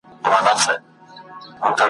او پر جنازو بار سوي ورځي پای ته نه رسیږي `